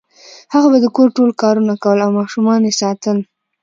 هغه به د کور ټول کارونه کول او ماشومان یې ساتل